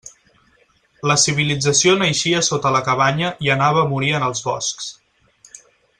La civilització naixia sota la cabanya i anava a morir en els boscs.